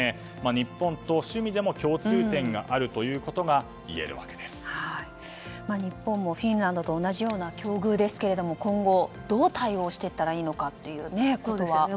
日本とは趣味でも共通点があることが日本もフィンランドと同じような境遇ですが今後、どう対応していったらいいのかということは。